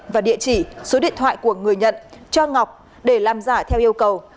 và địa chỉ số điện thoại của người nhận cho ngọc để làm giả theo yêu cầu